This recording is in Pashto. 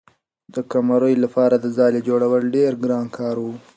د قمرۍ لپاره د ځالۍ جوړول ډېر ګران کار و.